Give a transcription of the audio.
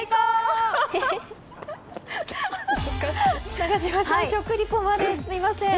永島さん食リポまですいません。